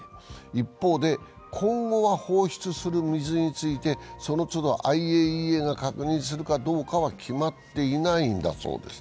一方で今後は、放出する水について、その都度ＩＡＥＡが確認するかどうかは決まっていないんだそうです。